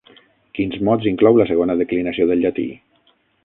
Quins mots inclou la segona declinació del llatí?